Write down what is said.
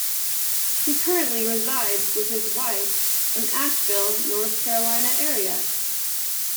He currently resides with his wife in the Asheville, North Carolina area.